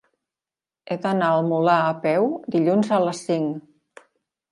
He d'anar al Molar a peu dilluns a les cinc.